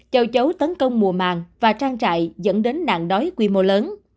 châu chấu tấn công mùa mạng và trang trại dẫn đến nạn đồng